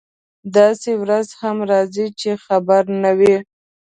داسې ورځ هم راځي چې خبر نه وي.